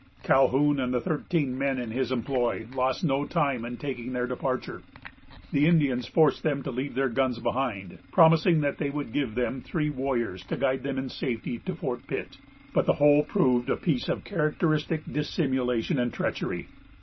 Calhoun and the thirteen men in his employ lost no time in taking their departure. The Indians forced them to leave their guns behind, promising that they would give them three warriors to guide them in safety to Fort Pitt; but the whole proved a piece of characteristic dissimulation and treachery.